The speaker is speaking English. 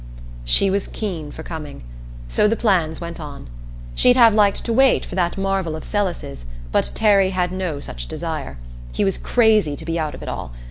She was keen for coming. So the plans went on. She'd have liked to wait for that Marvel of Celis's, but Terry had no such desire. He was crazy to be out of it all.